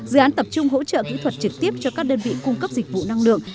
dự án tập trung hỗ trợ kỹ thuật trực tiếp cho các đơn vị cung cấp dịch vụ năng lượng